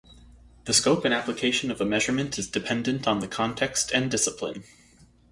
The scope and application of a measurement is dependent on the context and discipline.